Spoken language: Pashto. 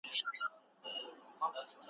شپې یې سپیني کړې رباب ته زه د ځان کیسه کومه ,